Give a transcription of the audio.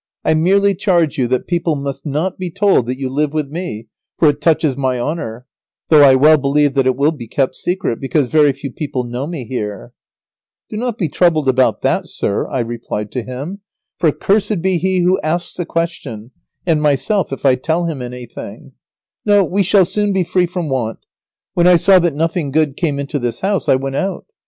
] I merely charge you that people must not be told that you live with me, for it touches my honour; though I well believe that it will be kept secret, because very few people know me here." [Illustration: "Gave me a piece of a cow's foot and several pieces of boiled tripe."] "Do not be troubled about that, sir," I replied to him, "for cursed be he who asks the question, and myself if I tell him anything. No, we shall soon be free from want. When I saw that nothing good came into this house I went out.